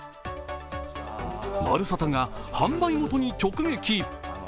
「まるサタ」が販売元に直撃！